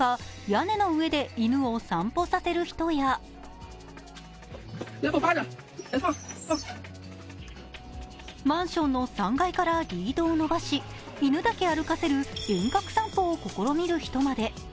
屋根の上で犬を散歩させる人やマンションの３階からリードを伸ばし犬だけ不歩かせる遠隔散歩を試みる人まで。